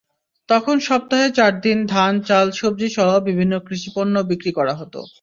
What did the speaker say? তখন সপ্তাহে চার দিন ধান, চাল, সবজিসহ বিভিন্ন কৃষিপণ্য বিক্রি করা হতো।